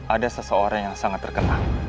ada seseorang yang sangat terkenal